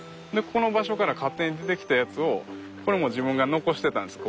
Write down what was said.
この場所から勝手に出てきたやつをこれも自分が残してたんです。